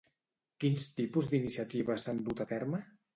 Quin tipus d'iniciatives s'han dut a terme?